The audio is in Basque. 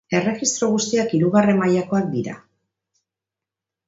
Erregistro guztiak hirugarren mailakoak dira.